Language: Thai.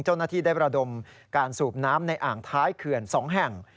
เจ้าหน้าที่ได้ประดมการสูบน้ำในอ่างท้ายเขื่อน๒แห่ง